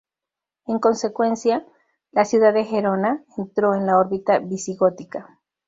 En consecuencia, la ciudad de Gerona, entró en la órbita visigótica.